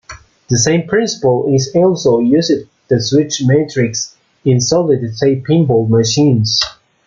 The same principle is also used for the switch matrix in solid-state pinball machines.